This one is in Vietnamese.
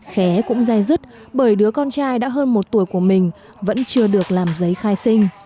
khé cũng dài dứt bởi đứa con trai đã hơn một tuổi của mình vẫn chưa được làm giấy khai sinh